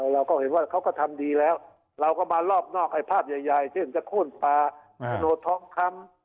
เราก็เห็นว่าเขาก็ทำดีแล้วเราก็มารอบนอกไอ้ภาพใหญ่เช่นจะโค้นปลาโฉนดทองคำ